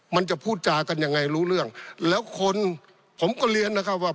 มันจะพูดจากันยังไงรู้เรื่องแล้วคนผมก็เรียนนะครับว่า